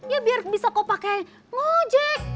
ya biar bisa kau pakai ngojek